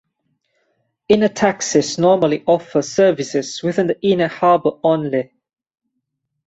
Inner taxis normally offer services within the inner harbour only.